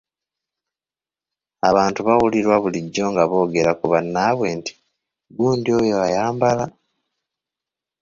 Abantu bawulirwa bulijjo nga boogera ku bannaabwe nti, “Gundi oyo ayambala!